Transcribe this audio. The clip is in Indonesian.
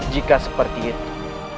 jika seperti itu